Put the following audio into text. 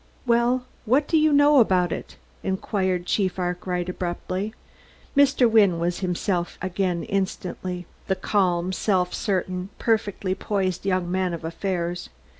"Well, what do you know about it?" inquired Chief Arkwright abruptly. Mr. Wynne was himself again instantly the calm, self certain perfectly poised young man of affairs.